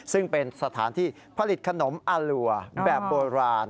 ซึ่งเป็นสถานที่ผลิตขนมอารัวแบบโบราณ